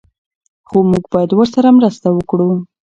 خو موږ باید ورسره مرسته وکړو.